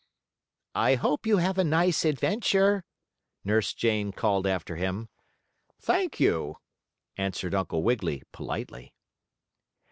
"I hope you have a nice adventure!" Nurse Jane called after him. "Thank you," answered Uncle Wiggily, politely.